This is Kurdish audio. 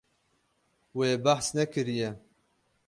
Wê behs nekiriye.